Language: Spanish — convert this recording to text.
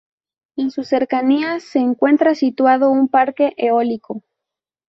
En sus cercanías se encuentra situado un parque eólico.